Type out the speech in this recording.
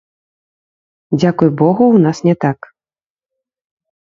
Дзякуй богу, у нас не так.